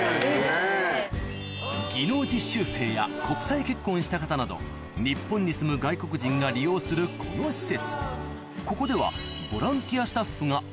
技能実習生や国際結婚した方など日本に住む外国人が利用するこの施設